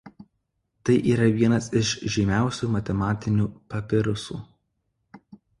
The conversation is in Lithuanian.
Tai yra vienas iš žymiausių matematinių papirusų.